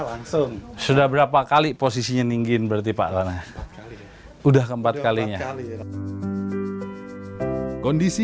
langsung sudah berapa kali posisinya ninggin bertipak karena udah keempat kalinya kondisi